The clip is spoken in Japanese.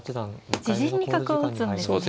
自陣に角を打つんですね。